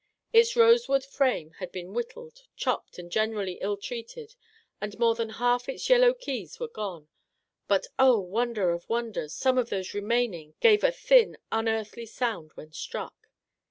Its rosewood frame had been whittled, chopped, and generally ill treated, and more than half Our Little Canadian Cousin 63 its yellow keys were gone, but oh, wonder of wonders, some of those remaining gave a thin, unearthly sound when struck